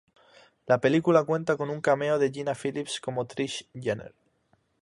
La película cuenta con un cameo de Gina Philips como Trish Jenner.